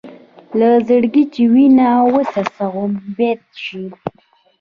له زړګي چې وينه وڅڅوم بېت شي.